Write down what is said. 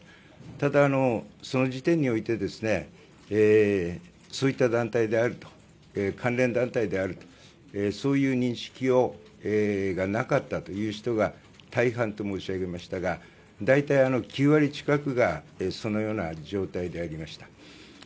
ただ、その時点においてそういった団体である関連団体であるというそういう認識がなかったという人が大半と申し上げましたが大体、９割近くがそのような状態でありました。